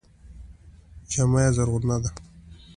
جامه یې زرغونه ده.